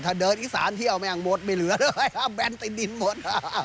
ถ้าเดินอีสานเที่ยวเเบียงหมดไม่เหลือเลยห้ามแบนใต้ดินหมด